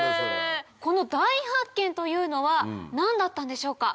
この大発見というのは何だったんでしょうか？